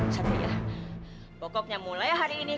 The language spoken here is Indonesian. satria pokoknya mulai hari ini